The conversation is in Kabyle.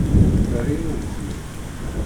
Terra-yawen-ten-id.